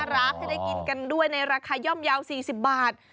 รักให้ได้กินกันด้วยในราคาย่อมเยาว๔๐บาท